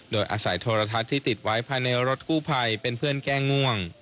โดยอาศัยโทรทัศน์ที่ติดไว้ภายในรถกู้ภัยเป็นเพื่อนแก้ง่วง